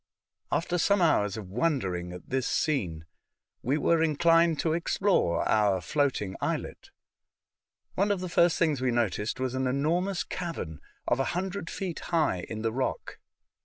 After some hours of wondering at this scene, we were inclined to explore our floating islet. One of the first things we noticed was an enormous cavern of a hundred feet high in the rock.